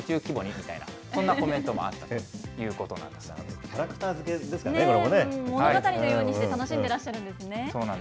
みたいな、そんなコメントもあったというこキャラクターづけですかね、物語のようにして楽しんでらそうなんですね。